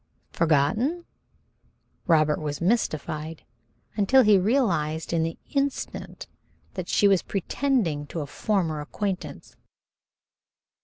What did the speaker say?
"Forgotten?" Robert was mystified until he realized in the instant that she was pretending to a former acquaintance.